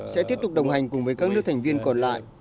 sẽ tiếp tục đồng hành cùng với các nước thành viên còn lại